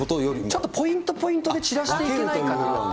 ちょっとポイントポイントで散らしていけないかなって。